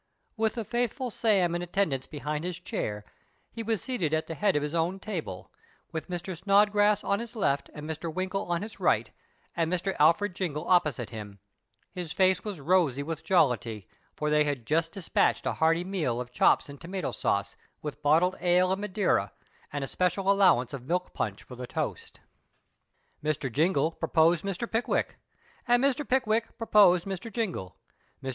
" With the faithful Sam in attendance behind his chair, he was seated at the head of his own table, with Mr. Snodgrass on his left and Mr. Winkle on his right and Mr. Alfred Jingle opposite him ; his face was rosy with jollity, for they had just dis patched a hearty meal of chops and tomato sauce, with bottled ale and Madeira, and a special allowance of milk punch for the host. Mr. Jingle proposed Mr. Pickwick ; and Mr. Pick wick proposed Mr. Jingle. Mr.